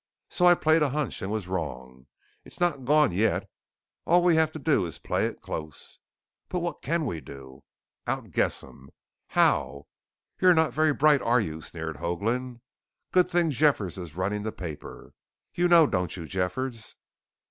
"So I played a hunch and was wrong. It's not gone yet. All we have to do is play it close." "But what can we do?" "Outguess 'em!" "How?" "You're not very bright, are you?" sneered Hoagland. "Good thing Jeffers is running the paper. You know, don't you, Jeffers?"